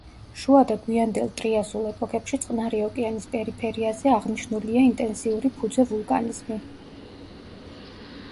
შუა და გვიანდელ ტრიასულ ეპოქებში წყნარი ოკეანის პერიფერიაზე აღნიშნულია ინტენსიური ფუძე ვულკანიზმი.